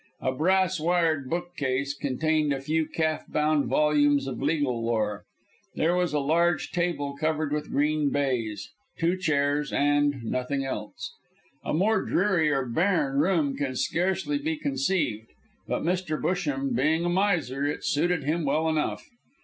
A brass wired bookcase contained a few calf bound volumes of legal lore; there was a large table covered with green baize, two chairs, and nothing else. A more dreary or barren room can scarcely be conceived, but Mr. Busham being a miser, it suited him well enough.